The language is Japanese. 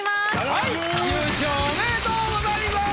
はい優勝おめでとうございます。